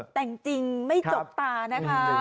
แต่งจริงไม่จกตานะคะ